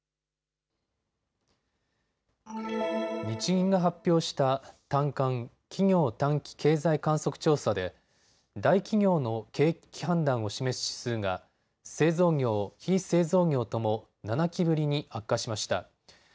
日銀が発表した短観・企業短期経済観測調査で大企業の景気判断を示す指数が製造業、非製造業とも７期ぶりに悪化しました。